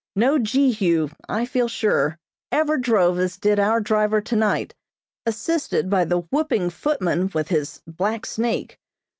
No Jehu, I feel sure, ever drove as did our driver tonight, assisted by the whooping footman with his black snake.